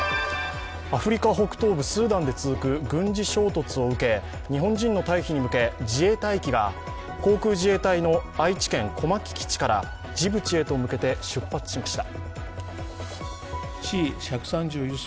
アフリカ北東部スーダンで続く軍事衝突を受け、日本人の退避に向け自衛隊機が航空自衛隊の愛知県・小牧基地からジブチへと向けて出発しました。